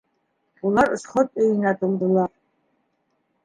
Улар сход өйөнә тулдылар.